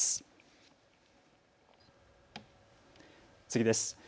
次です。